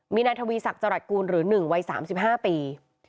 มีนายทวีศักดิ์จรัสกูลหรือ๑วัย๓๕ปี